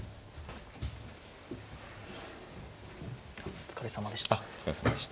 お疲れさまでした。